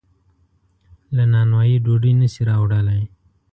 له نانوایۍ ډوډۍ نشي راوړلی.